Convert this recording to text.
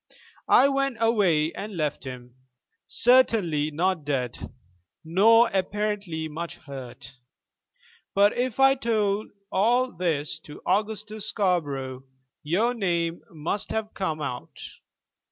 "I went away and left him, certainly not dead, nor apparently much hurt. But if I told all this to Augustus Scarborough, your name must have come out.